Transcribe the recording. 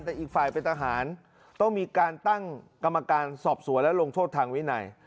แต่อีกฝ่ายเป็นทหารต้องมีการตั้งกรรมการสอบสวนและลงโทษทางวินัย